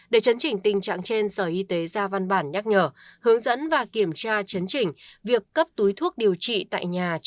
để chấn chỉnh tình trạng trên sở y tế ra văn bản nhắc nhở hướng dẫn và kiểm tra chấn chỉnh